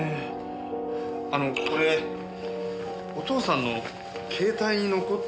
あのこれお父さんの携帯に残っていたんですが。